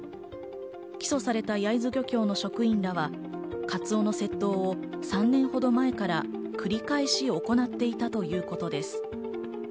起訴された焼津漁協の職員らはカツオの窃盗を３年ほど前から繰り返し行っていたということです。